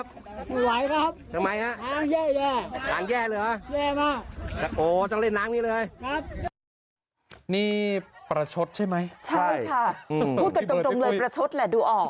พูดกันกลมเลยประชดแหละดูออก